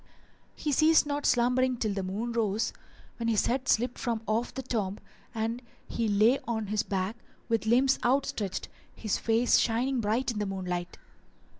He ceased not slumbering till the moon rose, when his head slipped from off the tomb and he lay on his back, with limbs outstretched, his face shining bright in the moonlight.